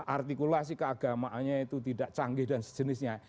artikulasi keagamaannya itu tidak canggih dan sejenisnya